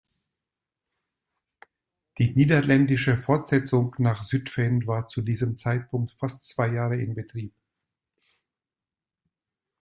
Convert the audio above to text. Die niederländische Fortsetzung nach Zutphen war zu diesem Zeitpunkt fast zwei Jahre in Betrieb.